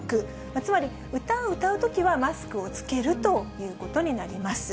つまり、歌を歌うときはマスクを着けるということになります。